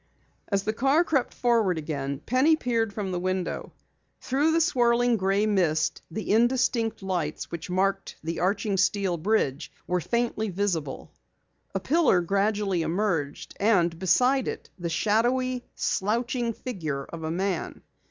As the car crept forward again, Penny peered from the window. Through the swirling gray mist the indistinct lights which marked the arching steel bridge were faintly visible. A pillar gradually emerged, and beside it the shadowy, slouching figure of a man.